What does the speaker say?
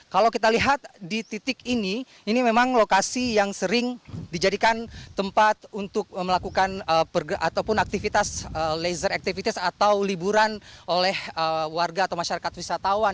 kalau kita lihat di titik ini ini memang lokasi yang sering dijadikan tempat untuk melakukan ataupun aktivitas laser activities atau liburan oleh warga atau masyarakat wisatawan